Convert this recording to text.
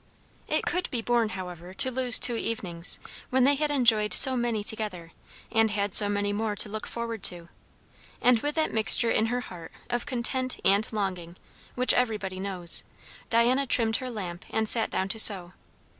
It could be borne, however, to lose two evenings, when they had enjoyed so many together, and had so many more to look forward to; and with that mixture in her heart of content and longing, which everybody knows, Diana trimmed her lamp and sat down to sew.